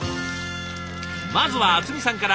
まずは熱海さんから。